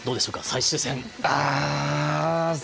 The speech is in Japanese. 最終戦。